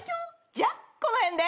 じゃこの辺で。